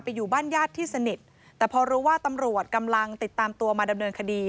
อยู่บ้านญาติที่สนิทแต่พอรู้ว่าตำรวจกำลังติดตามตัวมาดำเนินคดี